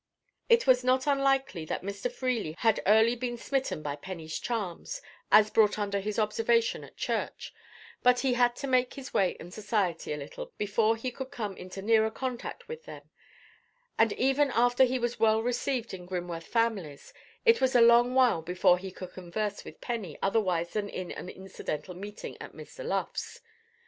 It is not unlikely that Mr. Freely had early been smitten by Penny's charms, as brought under his observation at church, but he had to make his way in society a little before he could come into nearer contact with them; and even after he was well received in Grimworth families, it was a long while before he could converse with Penny otherwise than in an incidental meeting at Mr. Luff's.